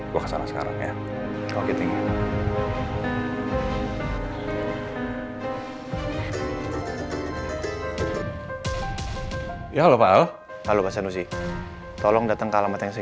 gua kesana sekarang ya kalau gitu ya halo halo halo pak sanusi tolong datang ke alamat yang saya